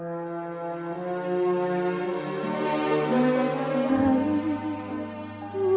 yang masih bermain di kanta ora